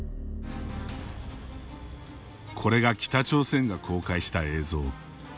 これが北朝鮮が公開した映像。